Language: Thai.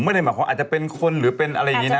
ไม่ได้หมายความอาจจะเป็นคนหรือเป็นอะไรอย่างนี้นะ